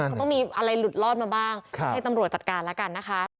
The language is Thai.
เขาต้องมีอะไรหลุดลอดมาบ้างให้ตำรวจจัดการแล้วกันนะคะ